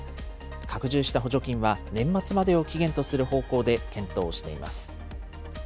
拡充した補助金は、年末までを期限とする方向で検討しています。